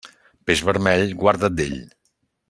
Peix vermell, guarda't d'ell.